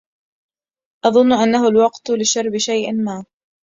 أظن أنه الوقت لشرب شيء ما.